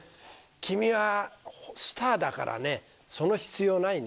君はスターだからねその必要ないね。